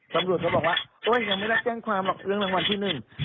ตำรวจก็บอกว่าโอ๊ยยังไม่รับแจ้งความหรอกเรื่องรางวัลที่หนึ่ง